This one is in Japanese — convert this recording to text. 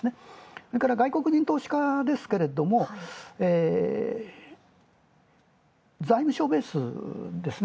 それから外国人投資家ですが、財務省ベースですね